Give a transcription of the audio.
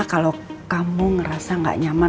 kalau kamu ngerasa gak nyaman